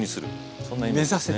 そんなイメージですね。